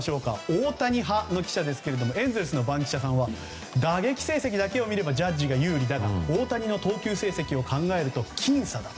大谷派の記者ですがエンゼルスの番記者さんは打撃成績だけを見ればジャッジが有利だが大谷の投球成績を考えると僅差だ。